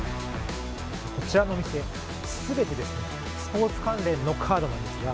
こちらの店、全てスポーツ関連のカードなんですが